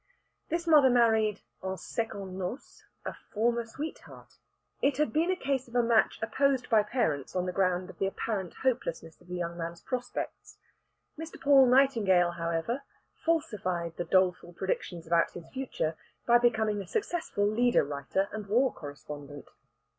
This mother married en secondes noces a former sweetheart; it had been a case of a match opposed by parents on the ground of the apparent hopelessness of the young man's prospects. Mr. Paul Nightingale, however, falsified the doleful predictions about his future by becoming a successful leader writer and war correspondent.